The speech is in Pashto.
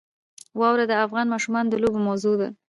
واوره د افغان ماشومانو د لوبو موضوع ده.